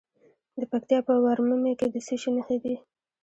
د پکتیکا په ورممی کې د څه شي نښې دي؟